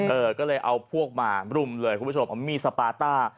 เออก็เลยเอาพวกมารุมเลยคุณผู้ชมเอามีดสปาต้า